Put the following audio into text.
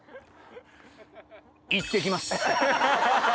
いってきます。